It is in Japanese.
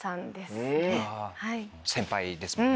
先輩ですもんね。